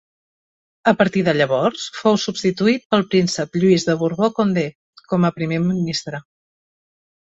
A partir de llavors, fou substituït pel príncep Lluís de Borbó-Condé com a primer ministre.